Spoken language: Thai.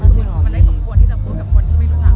ก็มันได้ง่ายสมบูรณ์ที่จะพูดกับคนที่ไม่รู้สัก